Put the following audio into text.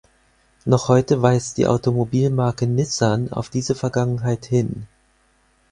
Noch heute weist die Automobilmarke Nissan auf diese Vergangenheit hin.